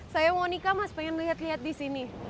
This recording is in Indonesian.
saya monika mas pengen lihat lihat di sini